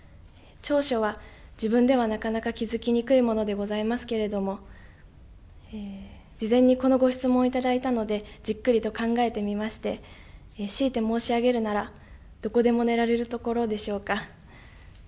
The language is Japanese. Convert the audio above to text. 長所は自分ではなかなか気付きにくいものではございますけれども事前にこのご質問をいただいたのでじっくりと考えてみまして強いて申し上げるならばどこでも寝られるところでしょうか。